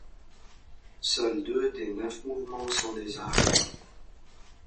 Seuls deux des neuf mouvements sont des arias.